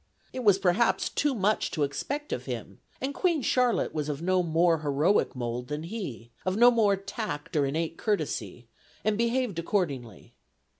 It was perhaps too much to expect of him, and Queen Charlotte was of no more heroic mold than he, of no more tact or innate courtesy, and behaved accordingly.